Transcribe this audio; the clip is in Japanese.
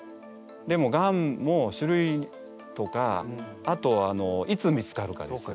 でもガンも種類とかあといつ見つかるかですよね。